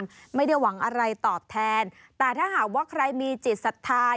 ไม่ได้หวังอะไรตอบแทนแต่ถ้าหากว่าใครมีจิตศรัทธา